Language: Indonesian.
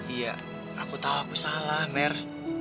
iya aku tahu aku salah mer